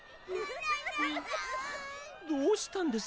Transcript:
どうしたんです？